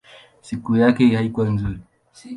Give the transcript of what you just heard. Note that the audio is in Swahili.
Sifa yake haikuwa nzuri.